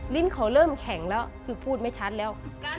ลิ้นเขาเริ่มแข็งแล้วคือพูดไม่ชัดแล้ว